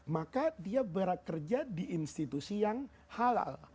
maka dia bekerja di institusi yang halal